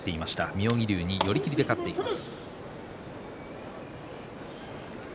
妙義龍に寄り切りで勝っています。